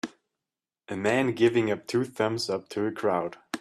a man giving two thumbs up to a crowd.